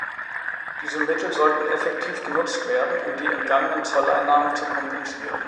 Diese Mittel sollten effektiv genutzt werden, um die entgangenen Zolleinnahmen zu kompensieren.